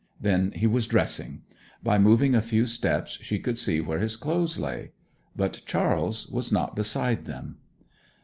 Then he was dressing. By moving a few steps she could see where his clothes lay. But Charles was not beside them.